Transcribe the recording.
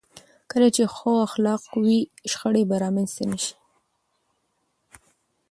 کله چې ښو اخلاق وي، شخړې به رامنځته نه شي.